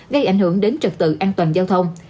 gây ảnh hưởng đến trật tự an toàn giao thông